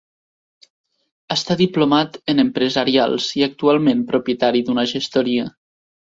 Està diplomat en Empresarials, i actualment propietari d'una gestoria.